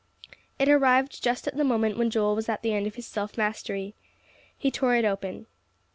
It arrived just at the moment when Joel was at the end of his self mastery. He tore it open.